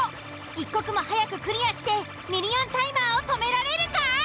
一刻も早くクリアしてミリオンタイマーを止められるか？